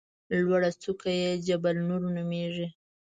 لوړه څوکه یې جبل نور نومېږي.